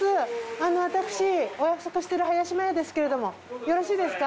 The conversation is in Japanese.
あの私お約束している林マヤですけれどもよろしいですか？